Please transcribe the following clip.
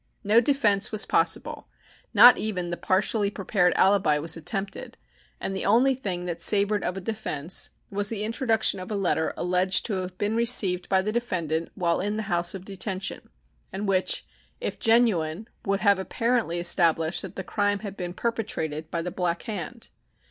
No defence was possible, not even the partially prepared alibi was attempted, and the only thing that savored of a defence was the introduction of a letter alleged to have been received by the defendant while in the House of Detention, and which, if genuine, would have apparently established that the crime had been perpetrated by the "Black Hand."